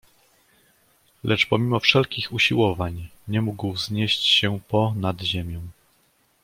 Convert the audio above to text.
"Lecz pomimo wszelkich usiłowań, nie mógł wznieść się po nad ziemię."